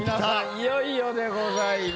いよいよでございます。